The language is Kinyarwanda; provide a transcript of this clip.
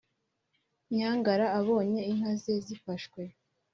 nyangara abonye inka ze zifashwe